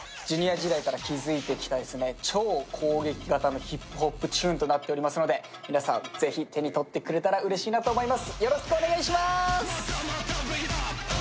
Ｊｒ．時代に築いてきた超攻撃型ポップチューンとなっていますので、皆さん、是非手に取ってくれたらうれしいなと思います！